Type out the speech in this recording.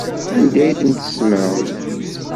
Anda ay ten-tsemmṛem?